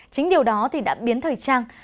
chính điều đó thì đã biến thời trang